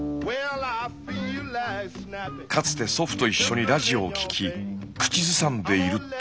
かつて祖父と一緒にラジオを聴き口ずさんでいると。